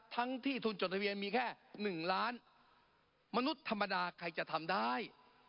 ทั้งที่ทุนจดทะเบียนมีแค่๑ล้านมนุษย์ธรรมดาใครจะทำได้